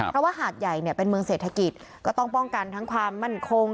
เพราะว่าหาดใหญ่เนี่ยเป็นเมืองเศรษฐกิจก็ต้องป้องกันทั้งความมั่นคง